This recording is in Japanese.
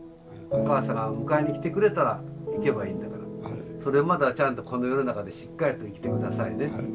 お母さんが迎えに来てくれたら逝けばいいんだからそれまでちゃんとこの世の中でしっかりと生きて下さいね。